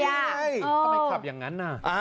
ทำไมขับอย่างนั้นน่ะ